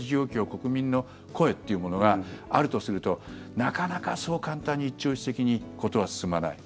国民の声っていうものがあるとするとなかなか、そう簡単に一朝一夕に事は進まない。